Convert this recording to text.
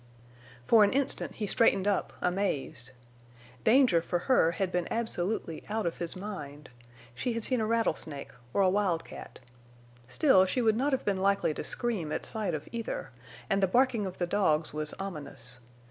For an instant he straightened up, amazed. Danger for her had been absolutely out of his mind. She had seen a rattlesnake—or a wildcat. Still she would not have been likely to scream at sight of either; and the barking of the dogs was ominous.